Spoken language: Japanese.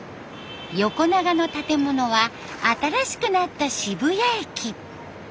横長の建物は新しくなった渋谷駅。